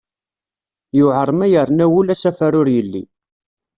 Yuɛer ma yerna wul asafar ur yelli.